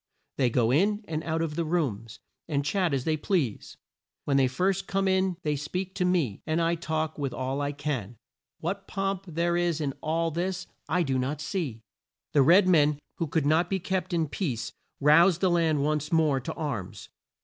They go in and out of the rooms and chat as they please. When they first come in they speak to me, and I talk with all I can. What pomp there is in all this I do not see!" The red men, who could not be kept in peace, roused the land once more to arms.